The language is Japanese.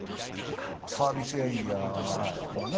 サービスエリアのね